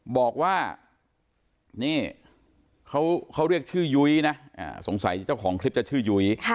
บอกว่านี่เขาเรียกชื่อยุ้ยนะสงสัยเจ้าของคลิปจะชื่อยุ้ย